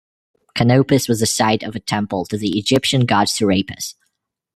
Canopus was the site of a temple to the Egyptian god Serapis.